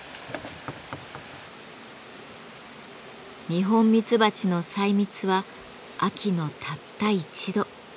ニホンミツバチの採蜜は秋のたった一度。